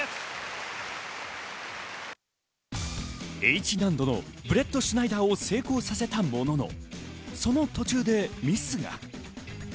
Ｈ難度のブレットシュナイダーを成功させたものの、その途中でミスが。